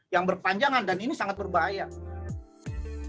yang berpanjangan dan ini sangat berbahaya